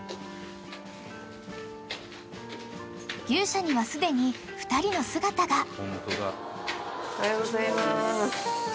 ［牛舎にはすでに２人の姿が］